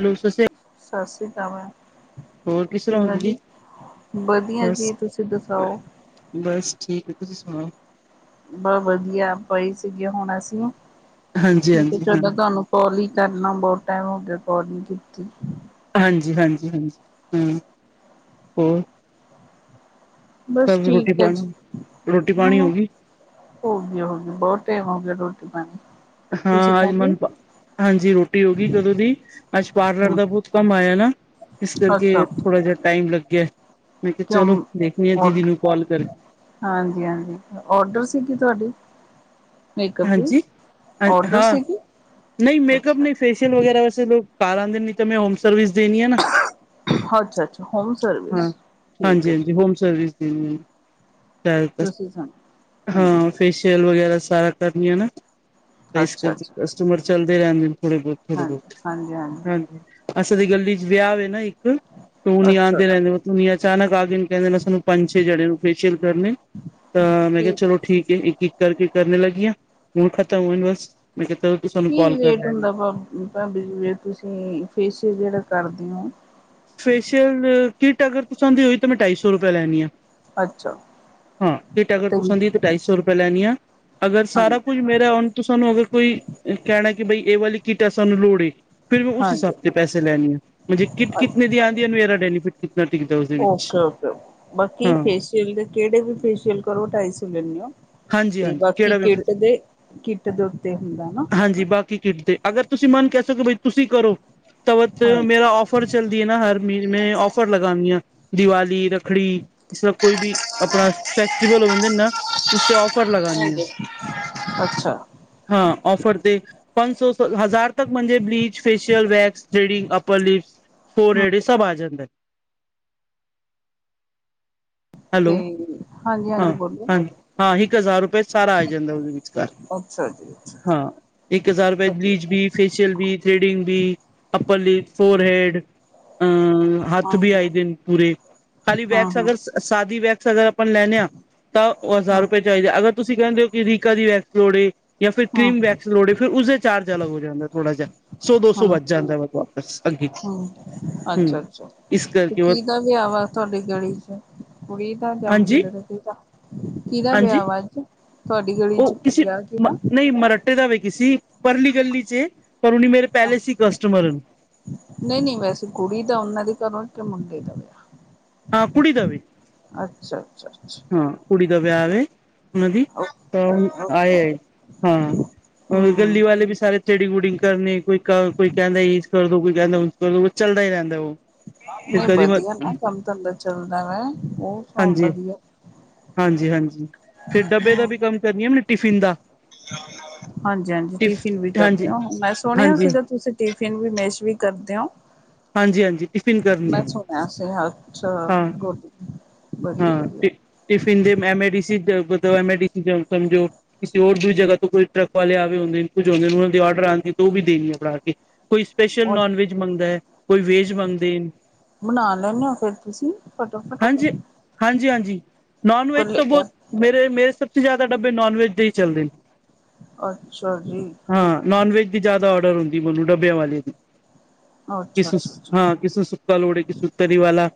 Hello ਸੱਸ ਸੀ੍ ਸਤਿ ਸ੍ਰੀ ਅਕਾਲ ਮੈਂ ਹੋਰ ਕਿਸ ਤਰ੍ਹਾਂ ਹੋ ਕਿਦਾ ਦੀਦੀ? ਜੀ? ਵਧੀਆ ਬਸ ਜੀ। ਤੁਸੀਂ ਦਸਾਓ? ਬਸ ਠੀਕ ਏ, ਤੁਸੀਂ ਸੁਣਾਓ? ਬਸ ਵਧੀਆ, ਪਈ ਸੀਗੇ ਹੁਨ ਅਸੀ, ਹਾਂਜੀ ਮੈਂ ਕੇਆ ਹਾਂਜੀ ਹਾਂ ਚਲੋ ਤਾਨੂੰ ਕੋਲ ਹੀ ਕਰ ਲਾ, ਬੋਤ ਟੈਮ ਹੋ ਗਿਆ ਕੋਲ ਨੀ ਕੀਤੀ। ਹਾਂਜੀ, ਹਾਂਜੀ, ਹਾਂਜੀ ਹੂੰ ਹੋਰ ਬਸ ਸਭ ਰੋਟੀ ਠੀਕ ਏ ਪਾਣੀ ਜੀ। ਰੋਟੀ ਹੋ ਪਾਣੀ ਗਈ ਹੋ ਗੀ, ਹੋ ਗੀ ਬੋਤ ਟੈਮ ਹੋ ਗਿਆ, ਰੋਟੀ ਪਾਨੀ ਹਾਂ ਅਜ ਮਨ ਪ ਹਾਂਜੀ ਰੋਟੀ ਹੋ ਗਈ ਕਦੋਂ ਦੀ, ਅੱਜ ਪਾਰਲਰ ਹੂੰ ਦਾ ਬੋਤ ਕੰਮ ਆਏਆ ਨਾ ਇਸ ਕਰਕੇ ਅੱਛਾ ਥੋੜਾ ਜਾ ਟਾਈਮ ਲਗ ਗਿਆ, ਮੈਂ ਕਿਹਾ ਚਲੋ, ਕਿਉਂ ਵੇਖਣੀ ਆ ਦੀਦੀ ਨੂੰ ਕਾਲ ਕਰ ਹਾਂਜੀ-ਹਾਂਜੀ, ਔਡਰ ਸੀਗੀ ਤੁਆਡੀ। ਹਾਂਜੀ, ਹ ਔਡਰ ਹਾਂ, ਸੀਗੀ ਨਈ ਮੇਕਅਪ ਅੱਛਾ ਨਈ ਫੇਸ਼ਅਲ ਵਗੈਰਾ ਵੈਸੇ ਲੋਕ ਘਰ ਆਂਦੇ ਨੇ, ਨਈ ਤਾਂ ਮੈਂ ਹੋਮ ਸਰਵਿਸ ਦੇਨੀ ਆ ਨਾ। ਅੱਛਾ-ਅੱਛਾ। ਹਾਂ, ਹਾਂਜੀ-ਹਾਂਜੀ, ਹੋਮ ਸਰਵਿਸ ਦੇਨੀ ਚਲ ਤੁਸੀਂ ਸੁਣਾਓ ਹਾਂਜੀ ਹਾਂ। ਫੇਸ਼ੀਅਲ ਵਗੈਰਾ ਸਾਰਾ ਕਰਨੀ ਆ ਨਾ, ਏਸ ਅੱਛਾ ਕਰਕੇ ਅੱਛਾ ਕਸਟਮਰ ਚਲਦੇ ਰਹੰਦੇ ਨੇ। ਥੋੜੇ ਬੋਤ-ਥੋੜੇ ਹਾਂਜੀ ਬੋਤ, ਹਾਂਜੀ ਹਾਂਜੀ, ਅਸਲ ਚ ਗਲੀ ਚ ਵਿਆਹ ਵੇ ਨਾ ਇੱਕ, ਟੋਨੀ ਆ ਅੱਛਾ ਨਾ ਅਚਾਨਕ ਆ ਕੇ ਕਹੰਦੇ ਸਾਨੂੰ ਪੰਜ- ਛੇ ਜਣੇਆ ਨੂੰ ਫੇਸ਼ੀਅਲ ਕਰਨੇ। ਤਾਂ, ਮੈਂ ਕਿਹਾ ਚਲੋ ਠੀਕ ਏ ਇੱਕ-ਇੱਕ ਕਰਕੇ ਕਰਨੇ ਲੱਗੀ ਆ, ਹੁਨ ਖਤਮ ਹੋਏ ਨੇ ਬਸ, ਮੈਂ ਕਿਆ ਚਲ ਕੀ ਰੇਟ ਹੁੰਦਾ ਭਾਬੀ ਜੀ, ਜੇ ਤੁਸੀ ਫੇਸ਼ਅਲ ਜੇੜਾ ਕਰਦੇ ੳਂ? ਫੇਸ਼ੀਅਲ ਕਿੱਟ ਅਗਰ ਤੁਸਾਂ ਦੀ ਹੋਈ ਤਾਂ ਮੈਂ ਢਾਈ ਸੌ ਰੁਪੇਆ ਲੈਨੀ ਆ। ਅੱਛਾ ਹਾਂ, ਕਿੱਟ ਅਗਰ ਤੇ ਤੂੱਸਾਂ ਦੀ ਏ ਤਾਂ ਢਾਈ ਸੌ ਰੁਪੈ ਲੈਨੀ ਆ, ਅਗਰ ਸਾਰਾ ਹਾਂਜੀ ਕੁੱਝ ਮੇਰਾ, ਹੁਨ ਤੁਸਾਂ ਨੂੰ ਅਗਰ ਕੋਈ ਕੈਨਾ ਕਿ ਬਈ ਇਹ ਵਾਲੀ ਕਿਟ ਸਾਨੂੰ ਲੋੜ ਏ, ਫਿਰ ਮੈਂ ਉਸ ਹਾਂਜੀ ਹਿਸਾਬ ਤੇ ਪੈਸੇ ਲੈਣੀ ਆਂ, ਜੇ ਕਿਟ ਕਿਤਨੇ ਅੱਛਾ ਦੀ ਆਂਦੀ ਏ, ਮੇਰਾ ਬੈਨੀਫਿਟ ਕਿਤਨਾ ਟਿਕਦਾ ਉਸਦੇ ਵਿੱਚ, ਓਕੇ ਹਾਂ। ਕੇੜੇ ਵੀ ਫੇਸ਼ੀਅਲ ਕਰੋ, ਢਾਈ ਸੋ ਲੈਨੀ ਆਂ। ਤੇ ਹਾਂਜੀ-ਹਾਂਜੀ ਬਾਕੀ ਕਿਹੜਾ ਵੀ ਕਿੱਟ ਦੇ, ਕਿੱਟ ਦੇ ਉੱਤੇ ਹੁੰਦਾ ਨਾ। ਹਾਂਜੀ ਬਾਕੀ ਕਿਟ ਦੇ, ਅਗਰ ਤੁਸੀ ਮਨੁ ਕਹ ਸਕੋ ਕਿ ਬਈ ਤੁਸੀਂ ਕਰੋ, ਤਾਂ ਫੇਰ ਮੇਰਾ ਔਫ ਔਫਰ ਚੱਲਦੀ ਏ ਨਾ ਹਰ ਮੀਨੇ। ਮੈਂ ਔਫਰ ਲਗਾਨੀ ਆ ਦੀਵਾਲੀ, ਰੱਖੜੀ ਜਿਸਰਾ ਕੋਈ ਵੀ ਅਪਨਾ, ਫੈਕਸੀਬਲ ਹੋਨ ਦੇਂਦਾ ਉਸ ਤੇ ਔਫਰ ਹਾਂਜੀ, ਅੱਛਾ। ਹਾਂ, ਓੱਫਰ ਤੇ ਪੰਜ ਸੌ ਸ ਹਜ਼ਾਰ ਤੱਕ ਮੰਜੇ ਬਲੀਚ, ਫੇਸ਼ੀਅਲ, ਵੈਕਸ ਜੇੜੀ upper lips forehead ਇਚ ਸਬ ਆ ਜਾਂਦੈ। ਤੇ, ਹਾਂਜੀ-ਹਾਂਜੀ ਬੋਲੋ ਹਾਂ ਹਾਂ, ਇੱਕ ਹਜ਼ਾਰ ਰੁਪਏ ਚ ਸਾਰਾ ਆ ਜਾਂਦਾ ਓਦੇ ਵਿਚਕਾਰ। ਅੱਛਾ ਜੀ ਅੱਛਾ। ਹਾਂ, ਇੱਕ ਹਜ਼ਾਰ ਰੁ੍ਪੇ ਚ ਵਧੀਆ ਬਲੀਚ ਬੀ ਫੇਸ਼ੀਅਲ ਵੀ, ਥ੍ਰੇਡਿੰਗ ਵੀ, ਅੱਪਰ ਲਿਪਸ, ਫੋਰ ਹੈਡ ਹਾਂ ਹਾਂ ਹੱਥ ਵੀ ਆ ਜਾਂਦੇ ਨ ਪੂਰੇ। ਖਾਲੀ ਹਾਂ ਹਾਂ ਵੈਕਸ ਅਗਰ ਸਾਦੀ ਵੈਕਸ ਅਗਰ ਆਪਾਂ ਲੈਣੇੇ ਆਂਂ ਤਾ ‌ਓ ਹਜ਼ਾਰ ਹਾਂ ਰੁਪਏ ਚਾਇਦਾ, ਅਗਰ ਤੁਸੀਂ ਕੈਂਦੇ ਓ ਈ ਕਿ ਰੀਕਾ ਦੀ ਵੈਕਸ ਲੋੜ ਏ ਜਾਂ ਫਿਰ ਹਾਂ ਕਰ੍ਰੀਮ ਵੈਕਸ ਲੋੜ ਏ ਫਿਰ ਉਸਦੇ ਚਾਰਜ ਅਲੱਗ ਹੋ ਜਾਂਦਾ ਥੋੜਾ ਜੇਹਾ, ਸੌ ਦੋ ਹਾਂ ਸੌ ਵਂਧ ਜਾਂਦਾ ਮਤਲਬ ਹਾਂ, ਅੱਛਾ-ਅੱਛਾ। ਇਸ ਕਰਕੇ ਉਹ ਕਿਦਾ ਵਿਆਹ ਵਾ ਤੁਆਡੀ ਗਲੀ ਚ, ਕੁੜੀ ਦਾ ਜਾਂ ਹਾਂਜੀ ਮੰਡੇ ਦਾ ਕਿਦਾਂ? ਕਿਦਾ ਹਾਂਜੀ ਵਿਆਹ ਵਾ ਅੱਜ ਤੁਆਡੀ ਗਲੀ ਚ, ਵਿਆਹ ਕਿਦਾ? ਨਈ ਮਰਟੇ ਦਾ ਵੇ ਕਿਸੀ, ਪਰਲੀ ਗੱਲੀ ਚੇ, ਪਰੋਣੀ ਮੇਰੇ ਪੈਲੇ ਸੀ ਕਸਟਮਰ। ਨਈ-ਨਈ ਵੈਸੇ ਕੁੜੀ ਦਾ ਓਨਾਂ ਦੇ ਘਰੋਂ ਕੇ ਮੁੰਡੇ ਦਾ ਵਿਆਹ। ਹਾਂ ਕੁੜੀ ਦਾ ਵੇ। ਅੱਛਾ-ਅੱਛਾ-ਅੱਛਾ। ਹਾਂ ਕੁੜੀ ਦਾ ਵਿਆਹ ਵੇ ਓਨਾਂ ਦੀ, ਤਾਂ ਓਕੇ ਆਏ-ਆਏ ਹਾਂ। ਹੋਰ ਗੱਲੀ ਹਮ ਵਾਲੇ ਵੀ ਸਾਰੇ ਥੇ੍ਡਿੰਗ-ਥ੍ਰੂਡਿੰਗ ਕਰਨ ਕੋਈ ਕ ਕੋਈ ਕੈੱਦਾ ਇਂਜ ਕਰਦੋ, ਕੋਈ ਕੈਂਦਾ ਉਂਜ ਕਰ ਦੋ ਬਸ ਚੱਲਦਾ ਈ ਰੈਂਦਾ, ਓ ਨਈ ਵਧੀਆ ਨਾ ਕੰਮ-ਧੰਦਾ ਚੱਲਦਾ ਵੈ, ਓ ਕੰਮ ਵਧੀਆ। ਹਾਂਜੀ-ਹਾਂਜੀ, ਫਿਰ ਡੱਬੇ ਦਾ ਵੀ ਕੰਮ ਕਰਨੀ ਆ ਨਾ ਟਿਫਿਨ ਦਾ ਹਾਂਜੀ-ਹਾਂਜੀ, ਟਿਫ ਟਿਫਿਨ ਵੀ ਹਾਂਜੀ ਕਰਦੇ‌ ਓ ਮੈਂ ਸੁਣਿਆ ਹਾਂਜੀ ਸੀਗਾ ਤੁਸੀਂ ਟਿਫਿਨ ਵੀ ਮੇਸ਼ ਵੀ ਕਰਦੇ ਓ। ਹਾਂ ਜੀ-ਹਾਂਜੀ ਟਿਫਿਨ ਕਰਨੀ ਆ ਮੈਂ ਸੁਣਿਆ ਸੀ ਅੱਛਾ ਹਾਂ, ਗੁਡ ਵਧੀਆ ਹਾਂ ਵਧੀਆ ਟਿਫਿ ਟਿਫਿਨ ਦੀ M A D C ਗੁਦ M A D C ਸਮਝੋ ਕਿਸੇ ਹੋਰ ਦੂਜੀ ਜਗ੍ਹਾ ਤੋਂ ਕੋਈ ਟਰੱਕ ਵਾਲੇ ਆਗੇ ਹੁੰਦੇ ਨੇ, ਕੁਝ ਹੁੰਦੇ ਨੇ ਓਨਾਂ ਦੇ ਔਡਰ ਆਂਦੇ ਓ ਵੀ ਦੇਣੀ ਏ ਬਣਾ ਕੇ ਕੋਈ ਸਪੈਸ਼ਲ ਉਹ ਨੋਨ ਵੈਜ ਮੰਗਦਾ ਕੋਈ ਵੇਜ ਮੰਗਦੈ- ਬਣਾ ਲੈਂਨੇ ਓ ਫੇਰ ਤੁਸੀਂ ਫਟਾਫਟ ਹਾਂਜੀ ਹਾਂਜੀ ਹਾਂਜੀ ਨੋਨ ਵੈਜ ਕੱਲੇ ਤਾਂ ਕਰ ਬੋਹਤ ਮੇਰੇ ਮੇਰੇ ਸਭ ਤੋਂ ਜ਼ਿਆਦਾ ਡੱਬੇ ਨੋਨ ਵੈਜ ਦੇ ਈ ਅੱਛਾ ਜੀ। ਹਾਂ ਨੋਨ ਵੈਜ ਦੀ ਜ਼ਿਆਦਾ ਔਡਰ ਹੁੰਦੀ ਏ ਮੈਨੂੰ ਡੱਬਿਆਂ ਵਾਲੀ ਦੀ ਅੱਛਾ ਕਿਸ ਸ ਅੱਛਾ ਅੱਛਾ ਹਾਂ ਕਿਸ ਨੂੰ ਸੁੱਕਾ ਲੋੜ ਏ ਕਿਸੇ ਨੂੰ ਤਰੀ ਵਾਲਾ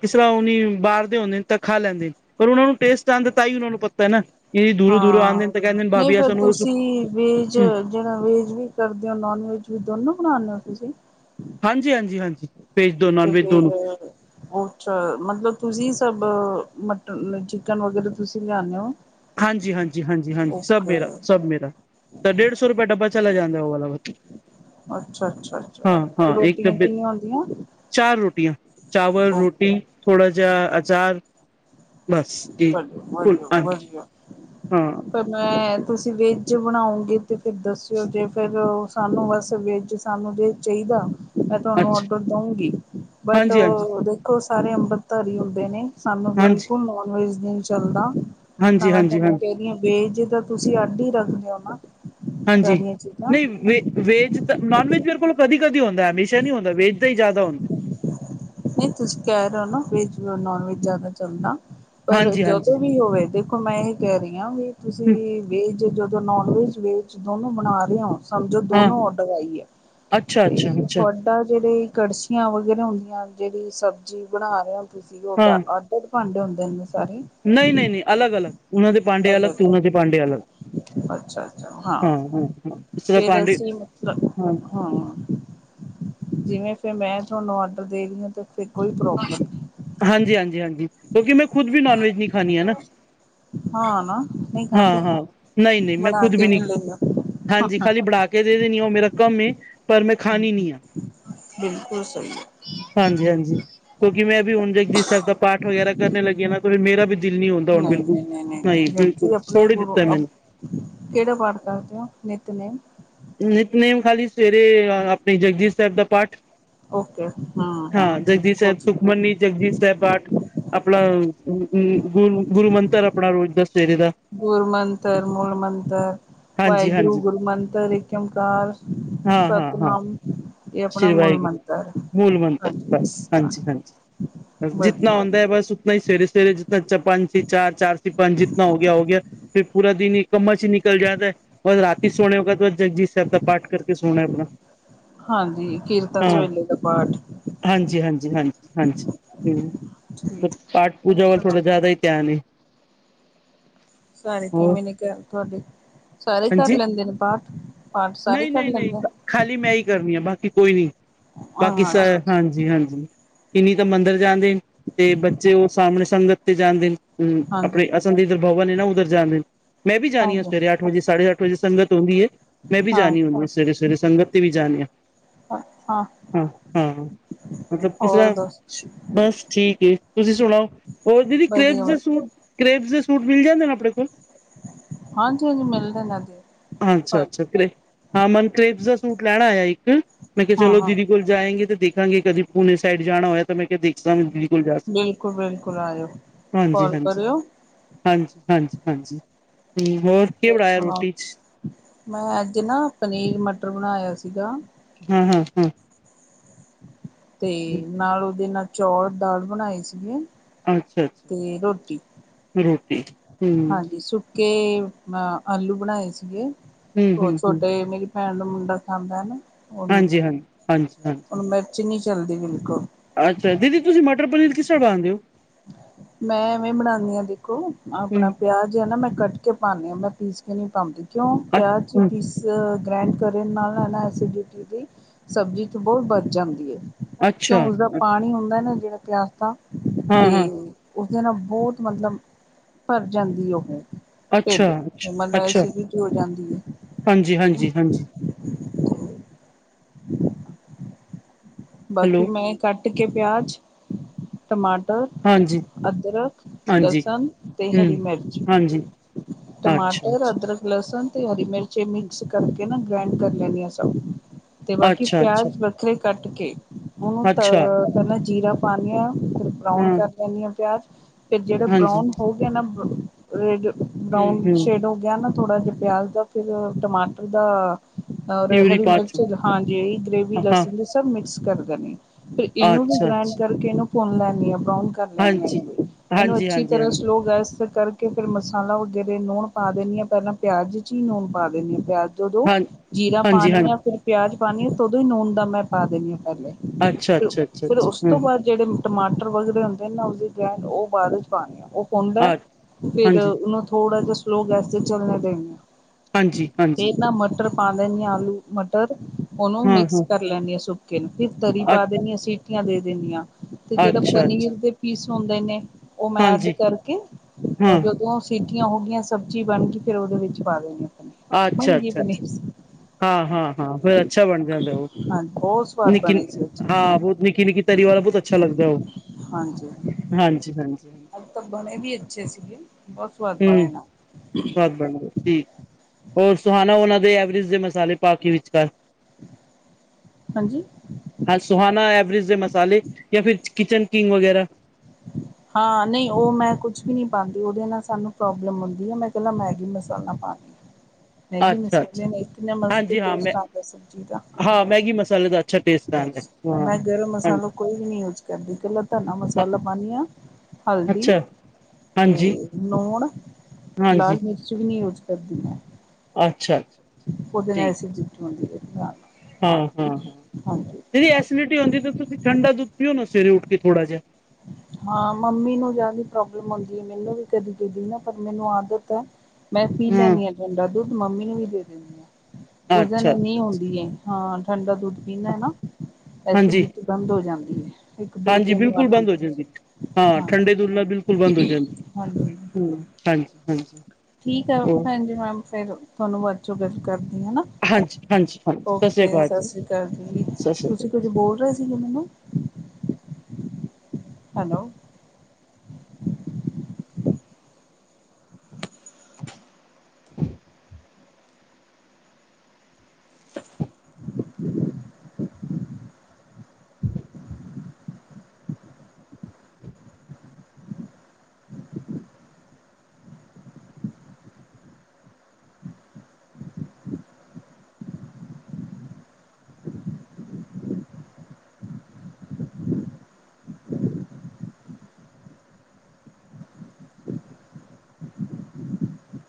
ਕਿਸ ਤਰ੍ਹਾਂ ਓਨੇ ਬਾਹਰ ਦੇ ਹੁੰਦੇ ਤਾਂ ਖਾ ਲੈਂਦੇ ਨੇ ਪਰ ਓਨਾ ਨੂੰ ਟੇਸਟ ਆਂਦਾ ਤਾਂ ਈ ਓਨਾ ਨੂੰ ਪਤਾ ਏ ਨਾ ਕਿ ਦੂਰੋਂ-ਦੂਰੋਂ ਆਂਦੇ ਨੇ ਤਾਂ ਕੈਂਦੇ ਨੇ ਭਾਭੀ ਅਸਾ ਨੂੰ ਉਸ ਕੀ ਵੇਜ ਜ ਜੇੜਾ ਵੇਜ ਵੀ ਕਰਦੇ ਓ ਨੋਨ ਵੇਜ ਵੀ ਦੋਨੋਂ ਬਣਾਣੇ ਓ ਤੁਸੀ ਹਾਂਜੀ-ਹਾਂਜੀ-ਹਾਂਜੀ ਵੇਜ ਦੋ ਨੋਨ ਵੈਜ ਦੋਨੋ। ਅਛਾ ਮਤਲਬ ਤੁਸੀਂ ਸਭ ਮਟਨ ਚਿਕਨ ਵਗੈਰਾ ਤੁਸੀਂ ਲਿਆਓਣੇ ਓ ਹਾਂਜੀ-ਹਾਂਜੀ-ਹਾਂਜੀ-ਹਾਂਜੀ, ਸਭ ਮੇਰਾ ਸਭ ਮੇਰਾ ਤਾਂ ਡੇਢ ਸੌ ਰੁਪਇਆ ਡੱਬਾ ਚਲਾ ਜਾਂਦਾ ਓ ਵਾਲਾ ਵ ਅੱਛਾ ਅੱਛਾ ਅੱਛਾ ਤੇ ਹਾਂ-ਹਾਂ ਇੱਕ ਰੋਟੀਆਂ ਡੱਬੇ, ਕਿੰਨੀਆਂ ਹੁੰਦੀਆਂ ਚਾਰ ਰੋਟੀਆਂ ਓਕੇ ਚਾਵਲ-ਰੋਟੀ ਥੋੜਾ ਜੇਹਾ ਆਚਾਰ ਬੱਸ ਏ ਫੁਲ ਆਣਗੇ। ਕਿਯਾ, ਹਾਂ ਮੈਂ ਤੁਸੀਂ ਵੇਜ ਬਣਾਓਗੇ ਤੇ ਫੇਰ ਦੱਸਿਓ ਜੇ ਫੇਰ ੳ ਸਾਨੂੰ ਬਸ ਵੇਜ ਸਾਨੂੰ ਜੇ ਚਾਹੀਦਾ ਮੈਂ ਤੁਹਾਨੂੰ ਅੱਛਾ ਔਡਰ ਦਊਂਗੀ, ਬਟ ਹਾਂਜੀ ਹਾਂਜੀ ਦੇਖੋ ਸਾਰੇ ਅੰਮ੍ਰਿਤਧਾਰੀ ਹੁੰਦੇ ਨੇ ਸਾਨੂੰ ਹਾਂਜੀ ਬਿਲਕੁਲ ਨੋਨ ਵੈਜ ਨਹੀਂ ਚੱਲਦਾ, ਤਾਂ ਹਾਂਜੀ ਮੈਂ ਹਾਂਜੀ ਤੁਹਾਨੂੰ ਹਾਂਜੀ ਕਹਿਣੀ ਆ ਵੇਜ ਤੁਸੀਂ ਅੱਢ ਹੀ ਰੱਖਦੇ ਹੋ ਨਾ ਹਾਂਜੀ ਸਾਰੀਆਂ ਚੀਜ਼ਾਂ ਨਹੀਂ ਵੇ ਵੇਜ ਤਾਂ ਨੋਨ ਵੈਜ ਮੇਰੇ ਕੋਲ ਕਦੀ ਕਦੀ ਹੁੰਦਾ ਹਮੇਸ਼ਾ ਨਹੀਂ ਹੁੰਦਾ ਵੇਜ ਹੀ ਜ਼ਿਆਦਾ ਹੁੰਦਾ ਨਹੀਂ ਤੁਸੀਂ ਕਹਿ ਰਹੇ ਹੋ ਨਾ, ਵੈਜ ਨੋਨ ਵੈਜ ਜ਼ਿਆਦਾ ਚੱਲਦਾ ਪਰ ਹਾਂਜੀ ਹਾਂਜੀ ਜਦੋਂ ਵੀ ਹੋਵੇ ਦੇਖੋ ਦੇਖੋ ਮੈਂ ਇਹ ਕਹਿ ਰਹੀ ਹਾਂ ਵੀ, ਤੁਸੀਂ ਵੇਜ ਜਦੋਂ ਨੋਨ ਵੇਜ ਵੇਜ ਦੋਨੋਂ ਬਣਾ ਰਹੇ ਹੋ ਸਮਝੋ ਹਾਂ ਦੋਨੋ ਔਡਰ ਆਈ ਹੈ, ਅੱਛਾ ਤੇ ਅੱਛਾ ਅੱਛਾ ਤੁਹਾ -ਡਾ ਜਿਹੜੇ ਕੜਛੀਆਂ ਵਗੈਰਾ ਹੁੰਦੀਆਂ, ਜਿਹੜੀ ਸਬਜ਼ੀ ਬਣਾ ਰਹੇ ਹੋ, ਤੁਸੀਂ ਉਹਦਾ ਹਾਂ ਬਹੁਤ ਭਾਂਡੇ ਹੁੰਦੇ ਨੇ ਇਣੇ ਸਾਰੇ ਨਹੀਂ, ਨਹੀਂ, ਨਹੀਂ ਅਲਗ ਅਲਗ ਉਹਨਾਂ ਦੇ ਪਾਂਡੇ ਅਲਗ ਤੇ ਉਹਨਾਂ ਦੇ ਪਾਂਡੇ ਅਲਗ ਅੱਛਾ- ਅੱਛਾ ਹਾਂ ਇਸ ਤਰ੍ਹਾਂ ਫਿਰ ਭਾਂਡੇ ਅਸੀਂ ਮਤਲਬ ਹਾਂ ਜਿਵੇਂ ਫੇਰ ਮੈਂ ਤੁਹਾਨੂੰ ਆਡਰ ਦੇ ਰਹੀ ਹਾਂ, ਤੇ ਫਿਰ ਕੋਈ ਪ੍ਰੋਬਲਮ ਨਹੀ ਹਾਂਜੀ, ਹਾਂਜੀ, ਹਾਂਜੀ ਕਿਉਂਕਿ ਮੈਂ ਖੁਦ ਵੀ ਨੋਨ ਵੈਜ ਨੀ ਖਾਨੀ ਆ ਨਾ ਹਾਂ ਨਾ ਨਹੀਂ ਖਾਂਦੇ ਹਾਂ, ਹਾਂ ਨਹੀਂ, ਨਹੀਂ ਮੈਂ ਬਣਾ ਖੁਦ ਕੇ ਵੀ ਨਹੀਂ ਲੈਂਦੇ ਹੋ ਹਾਂਜੀ ਖਾਲੀ ਬਨਾ ਕੇ ਦੇ ਦੇਨੀ ਆ ਉਹ ਮੇਰਾ ਕੰਮ ਏ ਪਰ ਮੈਂ ਖਾਣੀ ਨੀ ਆ ਬਿਲਕੁਲ ਸਹੀ ਹੈ ਹਾਂਜੀ, ਹਾਂਜੀ ਕਿਉਂਕਿ ਮੈਂ ਵੀ ਹੁਣ ਜਪੁਜੀ ਸਾਹਿਬ ਦਾ ਪਾਠ ਵਗੈਰਾ ਕਰਨ ਲੱਗੀ ਹੈ ਨਾ ਫਿਰ ਮੇਰਾ ਵੀ ਦਿਲ ਨੀ ਹੌਂਦਾ ਹੁਣ ਨਹੀਂ ਬਿਲਕੁਲ ਨਹੀਂ ਨਹੀਂ ਬਿਲਕੁਲ ਜਪਜੀ ਆਪਣਾ ਛੌੜ ਹੀ ਗੁਰੂ ਦਿੱਤਾ ਮੈਨੂੰ ਕਿਹੜਾ ਪਾਠ ਕਰਦੇ ਹੋ ਨਿੱਤਨੇਮ ਨਿੱਤਨੇਮ ਖਾਲੀ ਸਵੇਰੇ ਆਪਣੇ ਜਪੁਜੀ ਸਾਹਿਬ ਦਾ ਪਾਠ ਓਕੇ ਹੂੰ ਹੂੰ ਹਾਂ ਜਪੁਜੀ ਸਾਹਿਬ ਗੁੱਡ ਸੁਖਮਨੀ ਜਪੁਜੀ ਸਾਹਿਬ ਪਾਠ ਆਪਣਾ ਗੁਰ ਗੁਰੂ ਮੰਤਰ ਆਪਣਾ ਰੋਜ਼ ਦਾ ਸਵੇਰੇ ਦਾ ਗੁਰੂ ਮੰਤਰ ਮੂਲ ਮੰਤਰ ਹਾਂਜੀ ਵਾਹਿਗੁਰੂ ਹਾਂਜੀ ਗੁਰੂ ਮੰਤਰ ਏਕਮਕਾਰ ਹਾਂ- ਹਾਂ -ਹਾਂ ਆਪਣਾ ਸ਼੍ਰੀ ਮੂਲ ਵਾਹਿਗੁਰੂ ਮੰਤਰ ਮੂਲ ਮੰਤਰ ਹਾਂਜੀ ਬਸ ਹਾਂ ਹਾਂਜੀ, ਹਾਂਜੀ ਜਿੱਤਨਾ ਵਧੀਆ ਹੁੰਦਾ ਵਧੀਆ ਹੈ, ਬਸ ਨਹੀਂ ਸਵੇਰੇ ਸਵੇਰੇ ਜ ਪੰਜ ਸੀ ਚਾਰ ਚਾਰ ਸੀ ਪੰਜ ਜਿਤਣਾ ਹੋ ਗਿਆ ਹੋ ਗਿਆ ਫਿਰ ਪੂਰਾ ਦਿਨ ਹੀ ਕਮਾ 'ਚ' ਹੀ ਨਿਕਲ ਜਾਤਾ ਬਸ ਰਾਤੀ ਸੋਨ ਵਕਤ ਥੋੜਾ ਜਗਜੀਤ ਸਾਹਿਬ ਦਾ ਪਾਠ ਕਰਕੇ ਸੋਣਾ ਆਪਣਾ- ਹਾਂਜੀ ਕੀਰਤਨ ਸੋਹਲੇ ਦਾ ਪਾਠ ਹਾਂਜੀ-ਹਾਂਜੀ, ਹਾਂਜੀ-ਹਾਂਜੀ, ਹਮ, ਠੀਕ ਪਾਠ ਆ ਹੋਰ ਪੂਜਾ ਵੱਲ ਥੋੜ੍ਹਾ ਸੁਣਾਓ ਜੀ ਜ਼ਿਆਦਾ- ਦਿਆਨ ਏ। ਸਾਰੇ ਹੋਰ ਕਿਵੇਂ ਨੇ ਘਰ ਤੁਹਾਡੇ, ਸਾਰੇ ਕਰ ਲੈਂਦੇ ਨੇ ਪਾਠ- ਪਾਠ ਸਾਰੇ ਕਰ ਨਹੀਂ-ਨਹੀਂ-ਨਹੀਂ ਲੈਂਦੇ ਖਾਲੀ ਮੈਂ ਹੀ ਕਰਨੀ ਆ ਬਾਕੀ ਕੋਈ ਨਹੀਂ, ਬਾਕੀ ਹਾਂ ਸ ਅੱਛਾ ਹਾਂਜੀ ਅੱਛਾ ਜੀ ਹਾਂਜੀ, ਕਿੰਨੀ ਤਾਂ ਮੰਦਿਰ ਜਾਂਦੇ, ਤੇ ਬੱਚੇ ਉਹ ਸਾਹਮਣੇ ਸੰਗਤ ਤੇ ਜਾਂਦੇ- ਹਮ ਹਾਂਜੀ ਆਪਣੇ ਅਸਾ ਦੇ ਇਧਰ ਭਵਨ ਨਾ ਉੱਧਰ ਜਾਂਦੇ, ਮੈਂ ਵੀ ਜਾਣੀ ਆ ਹਾਂਜੀ ਸਵੇਰੇ ਅੱਠ ਵਜੇ-ਸਾਢੇ ਅੱਠ ਵਜੇ ਸੰਗਤ ਹੁੰਦੀ ਹੈ। ਮੈਂ ਵੀ ਹਾਂ ਜਾਣੀ ਹੁੰਦੀ ਹਾ ਸਵੇਰੇ-ਸਵੇਰੇ ਸੰਗਤ ਤੇ ਵੀ ਜਾਣੀ ਆ- ਹਾਂ ਹਾਂ-ਹਾਂ, ਮਤਲਬ ਕਿਸੇ ਹੋਰ ਦਾ ਦੱਸ ਬਸ ਠੀਕ ਹੈ ਤੁਸੀਂ ਸੁਣਾਓ? ਹੋਰ ਦੀਦੀ ਕਰੇਬ ਵਧੀਆ ਦੇ ਸੂਟ- ਕਰੇਬ ਦੇ ਸੂਟ ਮਿਲ ਜਾਂਦੇ ਨੇ ਆਪਣੇ ਕੋਲ? ਹਾਂਜੀ-ਹਾਂਜੀ ਮਿਲਦੇ ਨਾ ਅੱਛਾ ਜ- ਅੱਛਾ ਹਾਂ ਮਨਕਰੇੇਬ ਦਾ ਸੂਟ ਲੈਣਾ ਆਇਆ ਜੀਇੱਕ ਮੈਂ ਕਿਆ ਚਲੋ ਹਾਂ ਦੀਦੀ ਕੋਲ ਜਾਏਂਗੇ ਤੇ ਦੇਖਾਂਗੇ ਕਦੀ ਪੂਣੇੇ ਸਾਈਡ ਜਾਣਾ ਹੋਇਆ ਤਾਂ ਮੈਂ ਕਿਆ ਦੇ [unintelligible] ਬਿਲਕੁਲ ਬਿਲਕੁਲ ਆਇਓ ਕਾਲ ਹਾਂਜੀ-ਹਾਂਜੀ। ਕਰਿਓ ਹਾਂਜੀ-ਹਾਂਜੀ-ਹਾਂਜੀ। ਹੋਰ ਸੁਣਾਓ ਮੈਂ ਅੱਜ ਨਾ ਪਨੀਰ ਮਟਰ ਬਣਾਇਆ ਸੀਗਾ। ਹੂੰ-ਹੂੰ-ਹੂੰ ਤੇ ਨਾਲ ਓਦੇ ਨਾਲ ਚੌਲ-ਦਾਲ ਬਣਾਈ ਸੀਗੇ ਅੱਛਾ ਅੱਛਾ ਤੇ ਰੋਟੀ ਰੋਟੀ ਹਮ ਹਾਂਜੀ ਸੁੱਕੇ ਮ ਆਲੂ ਬਣਾਏ ਸੀਗੇ ਹਮ ਓ ਹਮ ਹਮ ਛੋਟੇ ਮੇਰੀ ਭੈਣ ਦਾ ਮੁੰਡਾ ਪਸੰਦ ਆ ਨਾ। ਹਾਂਜੀ-ਹਾਂ ਹਾਂਜੀ-ਹਾਂ ਹੁਣ ਮਿਰਚ ਨੀ ਚੱਲਦੀ ਬਿਲਕੁੱਲ। ਅੱਛਾ ਦੀਦੀ ਤੁਸੀਂ ਮਟਰ-ਪਨੀਰ ਕਿਸ ਤਰ੍ਹਾਂ ਬਾਂਦੇ ਓ? ਮੈਂ ਐਵੇਂ ਈ ਬਣਾਨੀ ਆ ਦੇਖੋ ਆਪਣਾ ਹਮ ਪਿਆਜ ਐ ਨਾ ਮੈਂ ਕੱਟ ਕੇ ਪਾਨੀ ਆ ਮੈਂ ਪੀਸ ਕੇ ਨੀ ਪਾਂਦੀ ਕਿਉਂ ਪਿਆਜ ਹਮ ਪੀਸ ਗ੍ਰੈਂਡ ਕਰਨ ਨਾਲ ਨਾ-ਨਾ ਐਸੀਡਿਟੀ ਦੀ ਸਬਜ਼ੀ ਚ ਬੋਤ ਬਚ ਜਾਂਦੀ ਏ। ਕਿਉ ਅੱਛਾ ਉਸਦਾ ਪਾਣੀ ਹੁੰਦਾ ਨਾ ਜੇੜਾ ਪਿਆਜ ਦਾ ਹਾਂ ਤੇ ਹਾਂ ਉਦੇ ਨਾਲ ਬੋਤ ਮਤਲਬ ਭਰ ਜਾਂਦੀ ਓਹ। ਢਿੱਡ ਅੱਛਾ ਮਤਲਬ ਐਸੀਡਿਟੀ ਹੋ ਜਾਂਦੀ ਐ। ਹਾਂਜੀ-ਹਾਂਜੀ-ਹਾਂਜੀ। ਹੈਲੋ ਬਾਕੀ ਮੈਂ ਕੱਟ ਕੇ ਪਿਆਜ਼ ਟਮਾਟਰ, ਹਾਂਜੀ ਅਦਰਕ, ਹਾਂਜੀ ਲਸਣ ਤੇ ਹਰੀ ਹਮ ਮਿਰਚ। ਹਾਂਜੀ ਅੱਛਾ ਟਮਾਟਰ, ਅੱਛਾ ਅਦਰਕ, ਲਸੁਣ ਤੇ ਹਰੀ ਮਿਰ ਚ ਏ ਮਿਕਸ ਕਰਕੇ ਨਾ ਗ੍ਰੈਂਡ ਕਰ ਲੈਣੀ ਆ ਸਭ ਤੇ ਬਾਕੀ ਅੱਛਾ ਅੱਛਾ ਪਿਆਜ ਵੱਖਰੇ ਕੱਟ ਕੁੱਟ ਕੇ ਓਨੂੰ ਤ ਅੱਛਾ ਪੈਲਾਂ ਜੀਰਾ ਪਾਨੀ ਆ ਫਿਰ ਬਰਾਉਨ ਹਾਂ ਕਰ ਲੈਣੀ ਆ ਪਿਆਜ ਫੇਰ ਜੇੜਾ ਹਾਂਜੀ ਬਰਾਊਨ ਹੋ ਗਏ ਨਾ ਬ ਰੈਡ ਹਮ ਬਰਾਊਨ ਹਮ ਸ਼ੇਡ ਹੋ ਗਿਆ ਨਾ ਥੋੜਾ ਜਾ ਪਿਆਜ ਦਾ ਫਿਰ ਟਮਾਟਰ ਦਾ ਔਰ ਪਿਊਰੀ ਹਰੀ ਪਾ ਮਿਰਚ ਹਾਂਜੀ ਗ੍ਰੇਵੀ ਹਾਂ ਲਸਣ ਸਭ ਮਿਕਸ ਕਰ ਦੇਣੀ। ਫੇਰ ਇਨੂੰ ਵੀ ਅੱਛਾ ਗ੍ਰੈਂੰਡ ਅੱਛਾ ਕਰਕੇ ਇਨੂੰ ਭੁੰਨ ਲੈਂਨੀ ਆਾ ਬਰਾਊਨ ਕਰ ਲੈਨੀ ਹਾਂਜੀ ਆ [unintelligible] ਇਨੂੰ ਹਾਂਜੀ ਅੱਛੀ ਹਾਂਜੀ ਹਾਂਜੀ ਤਰ੍ਹਾਂ ਹਾਂ ਸਲੋ ਗੈਸ ਤੇ ਕਰ ਕੇ ਫਿਰ ਮਸਾਲਾ ਵਗੈਰਾ ਨੂਣ ਪਾ ਦੇਨੀ ਆ ਪੈਲਾਂ ਪਿਆਜ਼ ਚ ਈ ਨੂਣ ਪਾ ਦਿੰਨੀ ਆ ਪਿਆਜ਼ ਜਦੋਂ ਜੀਰਾ ਹਾਂਜੀ ਹਾਂ ਪਾਨੀ ਆ ਫਿਰ ਪਿਆਜ ਪਾਨੀ ਆ ਤਾਂ ਉਦੋਂ ਈ ਨੂਨ ਦਾ ਮੈਂ ਪਾ ਦੇਨੀ ਆ ਪੈਲੇ। ਅੱਛਾ-ਅੱਛਾ-ਅੱਛਾ-ਅੱਛਾ, ਹੂੰ। ਜੇੜੇ ਟਮਾਟਰ ਵਗਰੇ ਹੁੰਦੇ ਨੇ ਨਾ ਓਦੀ ਗ੍ਰੈਂਣ ਓ ਬਾਦ ਵਿਚ ਪਾਨੀ ਆ। ਪੌਂਦੈ ਆ ਫਿਰ ਹਾਂਜੀ ਉਨੂੰ ਥੋੜ੍ਹਾ ਜਾ ਸਲੋਅ ਗੈਸ ਦੇ ਚੱਲਣੇ ਦੇਣ ਹਾਂਜੀ ਹਾਂਜੀ ਫੇਰ ਨਾ ਮਟਰ ਪਾ ਦੇਣੀ ਆ ਆਲੂ ਮਟਰ ਓਨੂੰ ਹਾਂ ਮਿਕਸ ਹਾਂ ਕਰ ਲੈਂਣੀ ਆ। ਕਿਨ ਫਿਰ ਤਰੀ ਅ ਪਾ ਦੇਣੀ ਆ ਸੀਟੀਆਂ ਦੇ ਦਿੰਨੀ ਆ ਤੇ ਜੇੜਾ ਅੱਛਾ ਅੱਛਾ ਪਨੀਰ ਦੇ ਪੀਸ ਹੁੰਦੇ ਨੇ ਓ ਮੈਂ ਐੱਡ ਹਾਂਜੀ ਕਰਕੇ ਹਾਂ ਜਦੋਂ ਸੀਟੀਆਂ ਹੋਗੀਆਂ ਸਬਜ਼ੀ ਬਣ ਕੇ ਫਿਰ ਓਦੇ ਵਿੱਚ ਪਾ ਦੇਨੀ ਆ। ਪਨੀਰ ਬਣ ਗਈ ਅੱਛਾ-ਅੱਛਾ-ਅੱਛਾ ਪਨੀਰ ਹਾਂ-ਹਾਂ-ਹਾਂ ਫਿਰ ਅੱਛਾ ਬਣ ਜਾਂਦਾ ਓ। ਹਾਂ ਬੋ ਨਿੱਕੀ ਹਾਂ ਬੋਤ ਨਿੱਕੀ-ਨਿੱਕੀ ਤਰੀ ਵਾਲਾ ਬੋਤ ਅੱਛਾ ਲੱਗਦਾ ਓ। ਹਾਂਜੀ ਹਾਂਜੀ ਹਾਂਜੀ ਅੱਜ ਤਾਂ ਬਣੇ ਵੀ ਅੱਛੇ ਸੀਗੇ, ਬਹੁਤ ਸਵਾਦ ਬਣੇ ਹਮ ਨਾ। ਸਵਾਦ ਬਣਦਾ ਹੂੰ, ਹੋਰ ਸੁਹਾਨਾ ਉਹਨਾਂ ਦੇ ਐਵਰੇਜ ਦੇ ਮਸਾਲੇ ਪਾ ਕੇ ਵਿਚਕਾਰ- ਹਾਂਜੀ ਹਾਂ, ਸੁਹਾਨਾ ਐਵਰੇਜ ਦੇ ਮਸਾਲੇ ਜਾਂ ਫਿਰ ਕਿਚਨ ਕਿੰਗ ਵਗੈਰਾ। ਹਾਂ। ਨਹੀਂ, ਉਹ ਮੈਂ ਕੁਛ ਵੀ ਨੀ ਪਾਂਦੀ ਉਹਦੇ ਨਾਲ ਸਾਨੂੰ ਪ੍ਰੋਬਲਮ ਹੁੰਦੀ ਏ, ਮੈਂ ਇਕਲਾਂ ਮੈਗੀ ਮਸਾਲਾ ਪਾਨੀ। [inaudible] ਮੈਗੀ ਅੱਛਾ ਮਸਾਲੇ ਨੇ ਇਤਨਾ ਮਸਤ ਹਾਂਜੀ ਹਾਂ ਮੈਂ ਟੇਸਟ ਆਂਦਾ ਸਬਜ਼ੀ ਦਾ- ਹਾਂ ਮੈਗੀ ਮਸਾਲੇ ਦਾ- ਅੱਛਾ ਟੇਸਟ ਆਂਦਾ ਹਾਂ। ਮੈਂ ਗਰਮ ਹਾਂ ਮਸਾਲਾ ਕੋਈ ਵੀ ਨੀ ਯੂਜ ਕਰਦੀ, ਇਕਲਾ ਧਨਾ ਮਸਾਲਾ ਪਾਨੀ ਆ। ਹਲਦੀ ਅੱਛਾ ਹਾਂਜੀ ਤੇ ਲੂਣ, ਹਾਂਜੀ ਲਾਲ-ਮਿਰਚ। ਕੁਛ ਵੀ ਨੀ ਯੂਸ ਕਰਦੀ ਮੈਂ। ਅੱਛਾ ਆ। ਉਹਦੇ ਨਾਲ ਐਸੀਡਿਟੀ ਹੁੰਦੀ ਹੈਗੀ। ਹਾਂ-ਹਾਂ, ਦੀਦੀ ਐਸਿਡਿਟੀ ਹੁੰਦੀ ਤਾਂ ਤੁਸੀਂ ਠੰਡਾ ਦੁੱਧ ਪੀਓ ਨਾ ਸਵੇਰੇ ਉੱਠ ਕੇ ਥੋੜ੍ਹਾ ਜਿਹਾ। ਹਾਂ, ਮੰਮੀ ਨੂੰ ਜ਼ਿਆਦਾ ਪ੍ਰੋਬਲਮ ਆਂਦੀ ਏ, ਮੈਨੂੰ ਵੀ ਕਦੀ-ਕਦੀ ਨਾ ਪਰ ਮੈਨੂੰ ਆਦਤ ਏ ਮੈਂ ਪੀ ਹਾਂ ਲੈਨੀ ਆ ਠੰਡਾ ਦੁੱਧ, ਮੰਮੀ ਨੂੰ ਵੀ ਦੇ ਦਿੰਨੀ ਆ, ਉਸ ਦਿਨ ਅੱਛਾ ਨਈ ਅੱਛਾ ਅੱਛਾ ਹੁੰਦੀ ਏ। ਹਾਂ, ਠੰਡਾ ਦੁੱਧ ਪੀਣ ਨਾਲ ਨਾ ਹਾਂਜੀ ਐਸੀਡੀਿਟੀ ਬੰਦ ਹੋ ਜਾਂਦੀ ਏ। ਇੱਕ ਦੋ ਹਾਂਜੀ ਤਿੰਨ ਬਿਲਕੁਲ ਵਾਰ ਦੀ ਬੰਦ ਹਾਂ ਠੰਡੇ ਦੁੱਧ ਨਾਲ ਬਿਲਕੁਲ ਬੰਦ ਹੋ ਜਾਂਦੀ ਹਾਂਜੀ ਹੂੰ, ਹਾਂਜੀ-ਹਾਂਜੀ। ਠੀਕ ਆ ਭੈਣ ਜੀ, ਮੈਮ ਫਿਰ ਤੁਹਾਨੂੰ ਬਾਅਚੋ ਗੱਲ ਕਰਦੀ ਹਾਂ, ਹੈ ਨਾ। ਹਾਂਜੀ ਹਾਂਜੀ ਹਾਂਜੀ ਸਤਿ ਸ੍ਰੀ ਓਕੇ ਅਕਾਲ ਜੀ ਸਾਸ੍ਰੀ ਕਾਲ ਜੀ, ਸਤਿ ਸ੍ਰੀ ਤੁਸੀਂ ਅਕਾਲ ਕੁਝ ਬੋਲ ਰਹੇ ਸੀਗੇ ਮੈਨੂੰ? ਹੈਲੋ [inaudible] [inaudible]